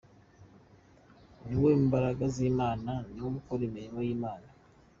Ni we mbaraga z'Imana, Ni we ukora imirimo y'Imana.